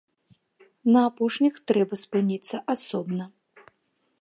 На апошніх трэба спыніцца асобна.